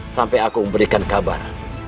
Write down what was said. sampai aku memberikan kabar